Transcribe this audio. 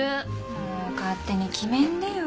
もう勝手に決めんでよ。